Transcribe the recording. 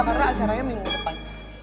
karena acaranya minggu depan